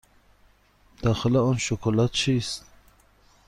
داخل آن شکلات چیست؟